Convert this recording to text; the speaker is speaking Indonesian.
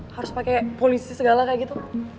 harus pakai polisi segala kayak gitu